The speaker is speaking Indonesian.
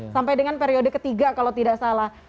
sampai dengan periode ketiga kalau tidak salah